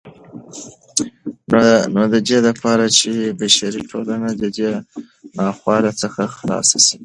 نو ددې دپاره چې بشري ټولنه ددې ناخوالو څخه خلاصه سي